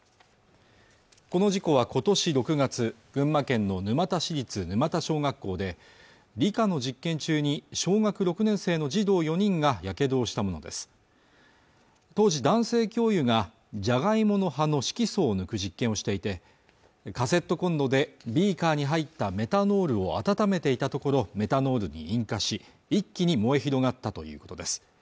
この事故はことし６月群馬県の沼田市立沼田小学校で理科の実験中に小学６年生の児童４人がやけどをしたものです当時男性教諭がジャガイモの葉の色素を抜く実験をしていてカセットコンロでビーカーに入ったメタノールを温めていたところメタノールに引火し一気に燃え広がったということです